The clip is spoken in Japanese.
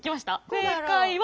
正解は？